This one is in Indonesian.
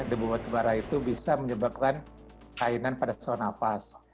debu batubara itu bisa menyebabkan kainan pada saluran nafas